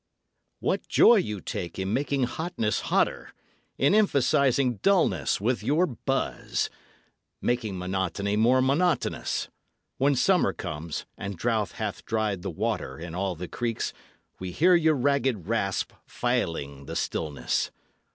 What joy you take in making hotness hotter, In emphasizing dullness with your buzz, Making monotony more monotonous! When Summer comes, and drouth hath dried the water In all the creeks, we hear your ragged rasp Filing the stillness.